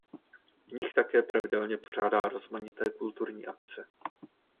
V nich také pravidelně pořádá rozmanité kulturní akce.